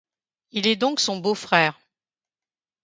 Il est donc son beau-frère.